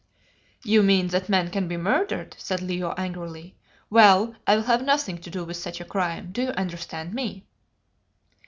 "You mean that men can be murdered," said Leo angrily. "Well, I will have nothing to do with such a crime. Do you understand me?"